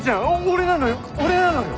俺なのよ俺なのよ！